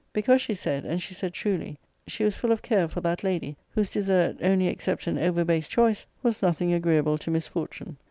Because, she said — and she said truly — she was full of care for that lady, whose desert, only except an over base choice, was nothing agree able to misfortune.